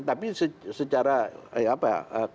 tapi secara apa